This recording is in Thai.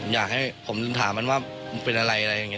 อยากให้ผมถามมันว่าเป็นอะไรอะไรอย่างนี้